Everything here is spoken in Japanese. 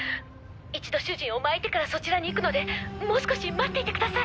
一度主人をまいてからそちらに行くのでもう少し待っていてください。